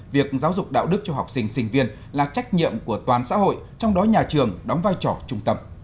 việc giáo dục đạo đức cho học sinh sinh viên là trách nhiệm của toàn xã hội trong đó nhà trường đóng vai trò trung tâm